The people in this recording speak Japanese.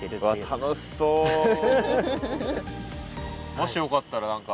もしよかったら何か。